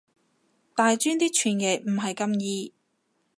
大專啲傳譯唔係咁易